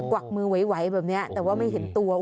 วักมือไหวแบบนี้แต่ว่าไม่เห็นตัว